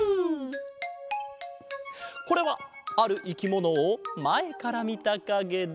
これはあるいきものをまえからみたかげだ。